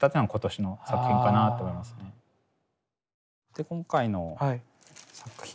で今回の作品が。